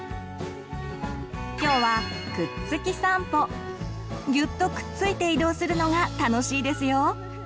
今日はぎゅっとくっついて移動するのが楽しいですよ。